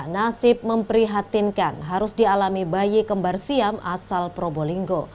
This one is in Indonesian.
nasib memprihatinkan harus dialami bayi kembarsiam asal probolinggo